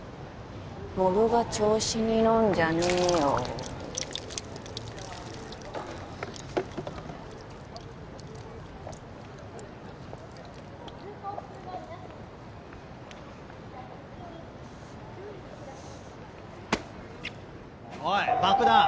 モブが調子に乗んじゃねえよおい爆弾！